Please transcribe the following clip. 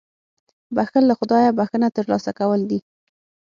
• بښل له خدایه بښنه ترلاسه کول دي.